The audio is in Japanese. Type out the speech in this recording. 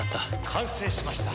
完成しました。